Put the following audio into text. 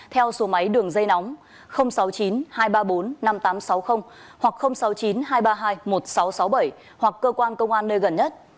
theo số máy đường dây nóng sáu mươi chín hai trăm ba mươi bốn năm nghìn tám trăm sáu mươi hoặc sáu mươi chín hai trăm ba mươi hai một nghìn sáu trăm sáu mươi bảy hoặc cơ quan công an nơi gần nhất